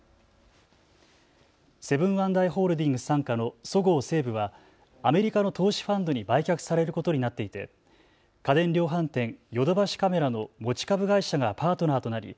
セブン＆アイ・ホールディングス傘下のそごう・西武はアメリカの投資ファンドに売却されることになっていて家電量販店、ヨドバシカメラの持ち株会社がパートナーとなり